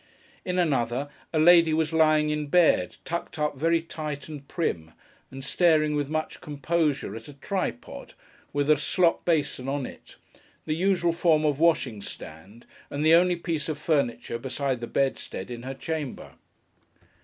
In another, a lady was lying in bed, tucked up very tight and prim, and staring with much composure at a tripod, with a slop basin on it; the usual form of washing stand, and the only piece of furniture, besides the bedstead, in her chamber.